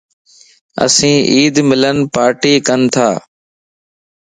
اسين عيد ملڻ پارٽي ڪنتا